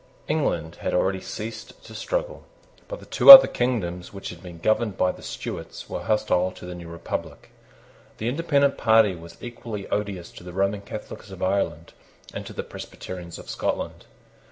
England had already ceased to struggle. But the two other kingdoms which had been governed by the Stuarts were hostile to the new republic. The Independent party was equally odious to the Roman Catholics of Ireland and to the Presbyterians of Scotland.